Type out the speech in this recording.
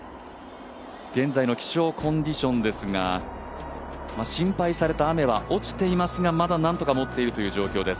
現在の気象コンディションですが心配された雨は落ちていますがまだなんとかもっているという状況です。